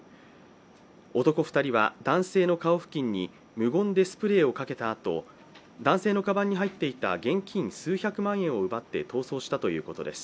男２人は男性の顔付近に、無言でスプレーをかけたあと、男性のカバンに入っていた現金数百万円を奪って逃走したということです。